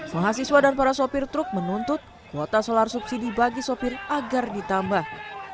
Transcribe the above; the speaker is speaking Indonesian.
mahasiswa dan para sopir truk menuntut kuota solar subsidi bagi sopir agar ditambah